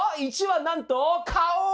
１はなんと顔！